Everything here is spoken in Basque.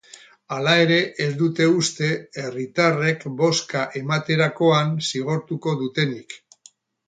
Hala ere, ez dute uste herritarrekbozka ematerakoan zigortuko dutenik.